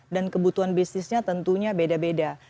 dan kebutuhan bisnisnya tentunya beda beda